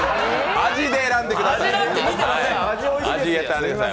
味で選んでください。